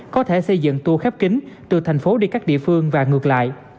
có thể xây dựng tour khép kính từ thành phố đi các địa phương và ngược lại